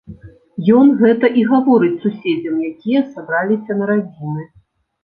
Ён гэта і гаворыць суседзям, якія сабраліся на радзіны.